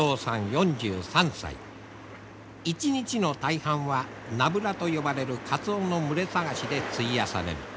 一日の大半はナブラと呼ばれるカツオの群れ探しで費やされる。